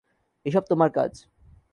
এসব তোমার কাজ।